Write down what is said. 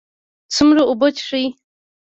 څومره اوبه څښئ؟